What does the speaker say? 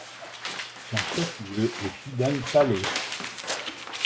Son chef-lieu est Tideng Pale.